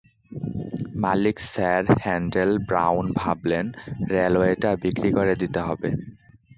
মালিক sir Handel Brown ভাবলেন, রেলওয়েটা বিক্রি করে দিতে হবে।